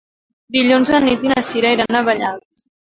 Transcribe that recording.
Dilluns na Nit i na Sira iran a Vallat.